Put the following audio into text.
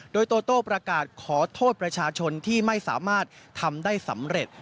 โดยโตโต้ประกาศขอโทษประชาชนที่ไม่สามารถทำได้สำเร็จ